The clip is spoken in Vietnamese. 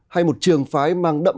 hay một trường phái mang đậm